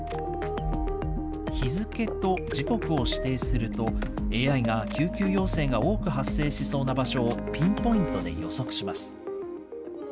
日付と時刻を指定すると、ＡＩが救急要請が多く発生しそうな場所をピンポイントで予測します。